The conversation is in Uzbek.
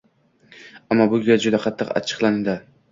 Ammo bu gal juda qattiq achchiqlandi.